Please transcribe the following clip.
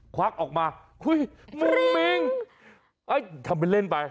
ควักออกมาอุ้ยมิ้งเอ้ยทำเป็นเล่นไป